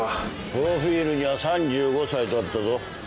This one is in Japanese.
プロフィルには３５歳とあったぞ。